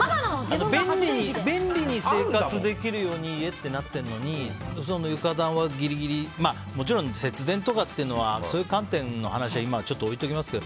便利に生活できるように家ってなってるのに床暖はギリギリ節電とかそういう観点の話は今置いておきますが。